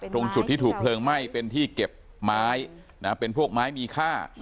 ตรงจุดที่ถูกเพลิงไหม้เป็นที่เก็บไม้เป็นพวกไม้มีค่า